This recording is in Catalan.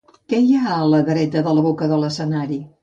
Què hi ha a la dreta de la boca de l'escenari?